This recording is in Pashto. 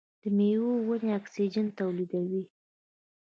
د میوو ونې اکسیجن تولیدوي.